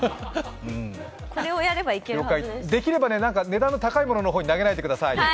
できれば値段の高い方に投げないでください。